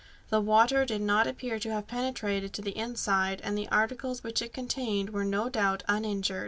The water did not appear to have penetrated to the inside, and the articles which it contained were no doubt uninjured.